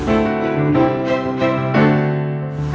gua akan memperjuangkan cinta kita